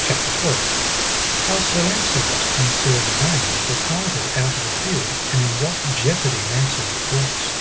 CHAPTER XII. How Sir Launcelot and Sir Lavaine departed out of the field, and in what jeopardy Launcelot was.